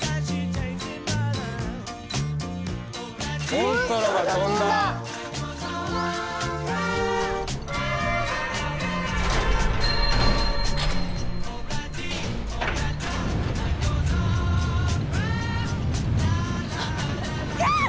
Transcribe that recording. モンストロが飛んだ！はっ！